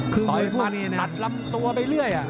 คือมวยพวกนี้นะต่อยมัดตัดล้ำตัวไปเรื่อยอะ